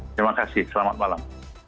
terima kasih selamat malam